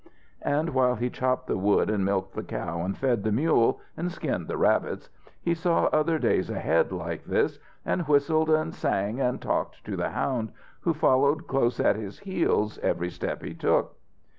And while he chopped the wood and milked the cow and fed the mule, and skinned the rabbits, he saw other days ahead like this, and whistled and sang and talked to the hound, who followed close at his heels every step he took.